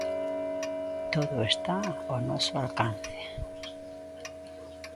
Todo está ao noso alcance.